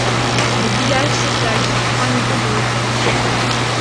Le village s'étale sur trois niveaux de hauteur.